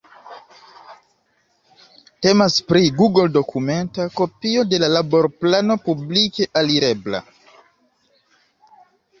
Temas pri google-dokumenta kopio de la laborplano publike alirebla.